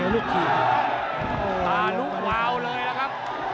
ลุกวาวเลยนะครับ